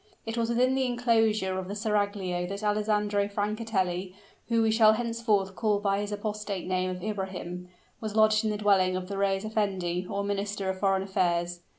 It was within the inclosure of the seraglio that Alessandro Francatelli, whom we shall henceforth call by his apostate name of Ibrahim was lodged in the dwelling of the reis effendi or minister of foreign affairs.